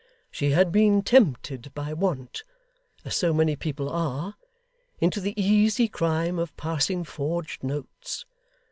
She had been tempted by want as so many people are into the easy crime of passing forged notes.